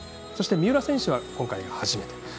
そして、三浦選手は今回が初めて。